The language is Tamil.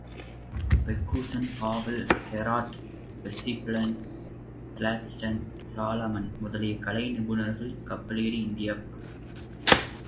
Ferguson, Havell, Garrett, Percy Brown, Gladstone, Solomon முதலிய கலை நிபுணர்கள் கப்பலேறி இந்தியாவிற்கு வந்திருக்கிறார்கள்.